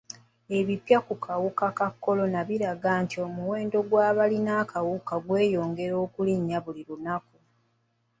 Ebipya ku kawuka ka kolona biraga nti omuwendo gw'abalina akawuka gweyongera okulinnya buli lunaku.